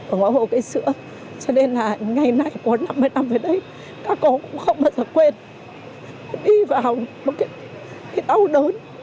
ở ngõ hồ cây sữa cho nên là ngày nay của năm mươi năm về đây các cô cũng không bao giờ quên đi vào một cái đau đớn